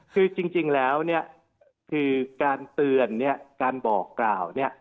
คือจริงแล้วเนี่ยคือการเตือนเนี่ยการบอกกล่าวเนี่ย